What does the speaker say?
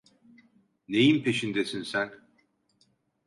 Neyin peşindesin sen?